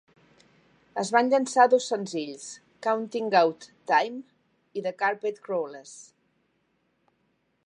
Es van llançar dos senzills, "Counting Out Time" i "The Carpet Crawlers".